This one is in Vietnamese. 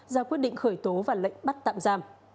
ra quyết định khởi tố và lệnh bắt tạm giam